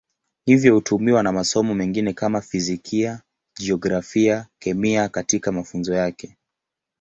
Hivyo hutumiwa na masomo mengine kama Fizikia, Jiografia, Kemia katika mafunzo yake.